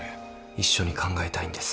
一緒に考えたいんです。